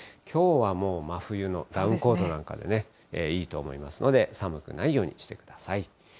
きょうはもう真冬のダウンコートなんかでね、いいと思いますので、寒くないようにしてください。